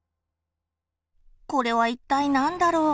これは一体何だろう？